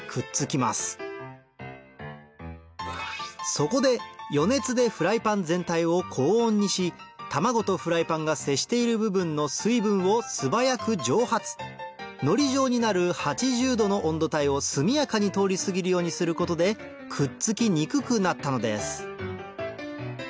そこで予熱でフライパン全体を高温にし卵とフライパンが接している部分の水分を素早く蒸発のり状になる８０度の温度帯を速やかに通り過ぎるようにすることでくっつきにくくなったのです